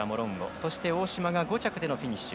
そして大島、５着フィニッシュ。